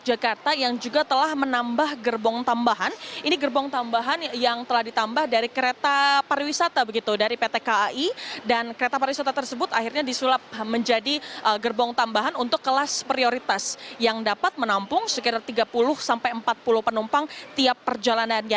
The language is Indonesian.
dan juga yogyakarta yang juga telah menambah gerbong tambahan ini gerbong tambahan yang telah ditambah dari kereta pariwisata begitu dari pt kai dan kereta pariwisata tersebut akhirnya disulap menjadi gerbong tambahan untuk kelas prioritas yang dapat menampung sekitar tiga puluh sampai empat puluh penumpang tiap perjalanannya